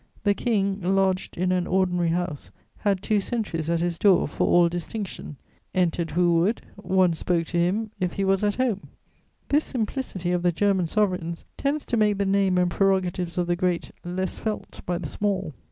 The King, lodged in an ordinary house, had two sentries at his door for all distinction: entered who would; one spoke to him "if he was at home." This simplicity of the German sovereigns tends to make the name and prerogatives of the great less felt by the small.